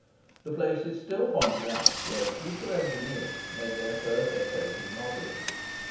The place is still pointed out where the future engineers made their first essays in modelling.